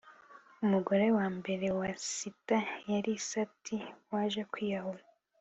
umugore wa mbere wa siva yari sati waje kwiyahura